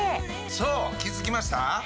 そう気づきました？